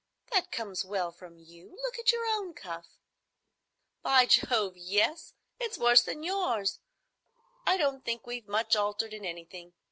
"That comes well from you. Look at your own cuff." "By Jove, yes! It's worse than yours. I don't think we've much altered in anything.